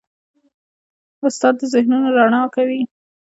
استاد د ذهنونو رڼا کوي.